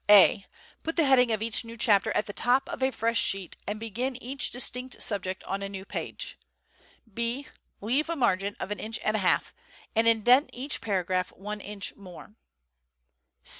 A. Put the heading of each new chapter at the top of a fresh sheet and begin each distinct subject on a new page. B. Leave a margin of an inch and a half, and indent each paragraph one inch more.